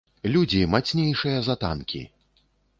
Людзі, мацнейшыя за танкі.